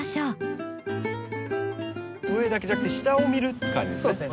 上だけじゃなくて下を見るっていう感じですね。